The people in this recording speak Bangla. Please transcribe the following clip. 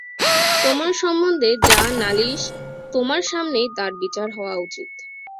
তোমার সম্বন্ধে যা নালিশ তোমার সামনেই তার বিচার হওয়া উচিত।